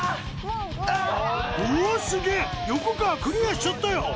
うわすげぇ横川クリアしちゃったよ